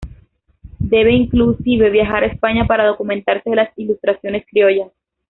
Debe inclusive viajar a España para documentarse de las ilustraciones criollas.